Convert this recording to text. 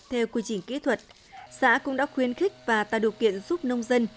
theo quy trình kỹ thuật xã cũng đã khuyến khích và tạo điều kiện giúp nông dân